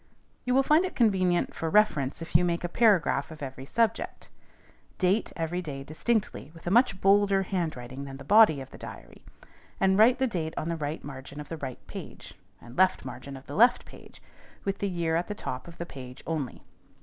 You will find it convenient for reference if you make a paragraph of every subject. Date every day distinctly, with a much bolder handwriting than the body of the diary; and write the date on the right margin of the right page, and left margin of the left page, with the year at the top of the page only.